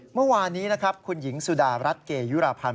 เมื่อวานนี้นะครับคุณหญิงสุดารัฐเกยุราพันธ์